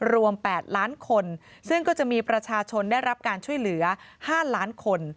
รวม๘ล้านคนซึ่งก็จะมีประชาชนได้รับการช่วยเหลือ๕ล้านคน